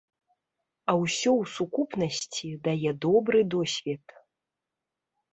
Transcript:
А ўсё ў сукупнасці дае добры досвед.